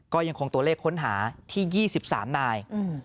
ก็ยังคงตัวเลขค้นหาที่๒๓นาย